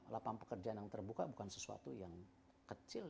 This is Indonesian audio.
lapangan pekerjaan yang terbuka bukan sesuatu yang kecil